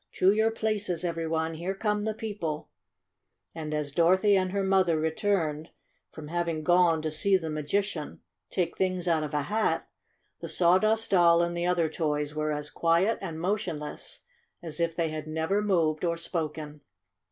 "To your places, every one ! Here come the People !" And as Dorothy and her mother re turned from having gone to see the magi 114 STORY OF A SAWDUST DOLL cian take things out of a hat, the Sawdust Doll and the other toys were as quiet and motionless as if they had never moved or spoken.